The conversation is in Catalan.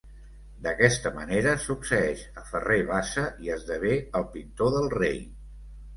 D'aquesta manera succeeix a Ferrer Bassa i esdevé el pintor del rei.